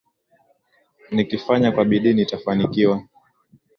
Nikifanya kwa bidii nitafanikiwa.